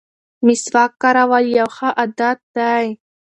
مسواک کارول یو ښه عادت دی.